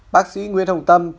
bác sĩ nguyễn hồng tâm